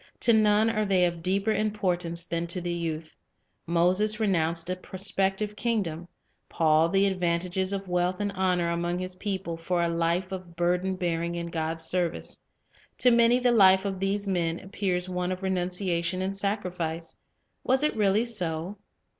To none are they of deeper importance than to the youth. Moses renounced a prospective kingdom, Paul the advantages of wealth and honor among his people, for a life of burden bearing in God's service. To many the life of these men appears one of renunciation and sacrifice. Was it really so?